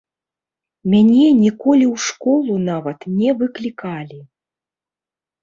Мяне ніколі ў школу нават не выклікалі.